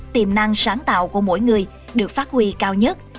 tiềm năng sáng tạo của mỗi người được phát huy cao nhất